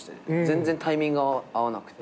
全然タイミングが合わなくて。